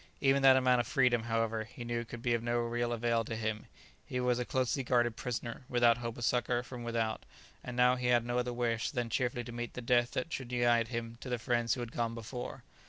Even that amount of freedom, however, he knew could be of no real avail to him; he was a closely guarded prisoner, without hope of succour from without; and now he had no other wish than cheerfully to meet the death that should unite him to the friends who had gone before.